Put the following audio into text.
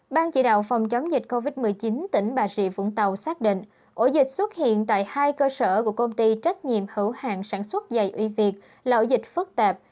ban chỉ đạo phòng chống dịch covid một mươi chín tỉnh bà rịa vũng tàu xác định ổ dịch xuất hiện tại hai cơ sở của công ty trách nhiệm hữu hàng sản xuất dày uy việt là dịch phức tạp